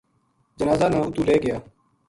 جنازہ نا اُتو لے گیا